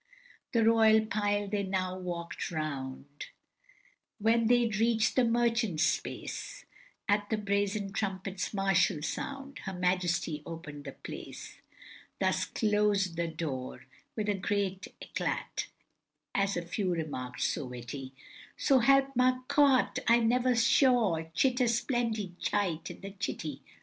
The royal pile they now walk'd round, When they reach'd the merchants' space, At the brazen trumpet's martial sound, Her Majesty open'd the place. Thus clos'd the door with great eclat, (As a few remark'd, so witty,) "Sho help ma cot, I never shaw Chit a sphlendid chite in the chitty."